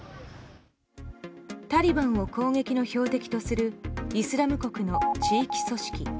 タリバンを攻撃の標的とするイスラム国の地域組織。